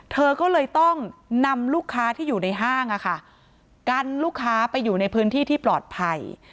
เธอก็เลยต้องนำลูกค้าที่อยู่ในห้างกันลูกค้าไปอยู่ในพื้นที่ที่ปลอดภัย